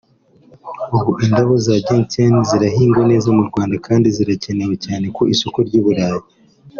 ubu indabo za Gentian zirahingwa neza mu Rwanda kandi zirakenewe cyane ku isoko ry’i Burayi